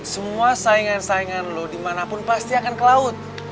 semua saingan saingan lo dimanapun pasti akan ke laut